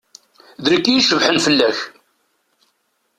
D nekk i icebḥen fell-ak.